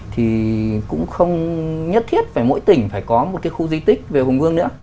thì cũng không nhất thiết mỗi tỉnh phải có một khu di tích về hùng vương